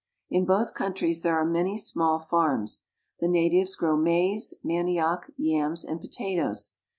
In both countries there are many small farms. The natives grow maize, manioc, yams, and potatoes.